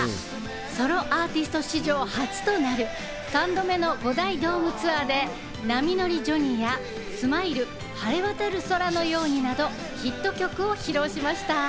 ソロアーティスト史上初となる３度目の５大ドームツアーで、『波乗りジョニー』や『ＳＭＩＬＥ晴れ渡る空のように』など、ヒット曲を披露しました。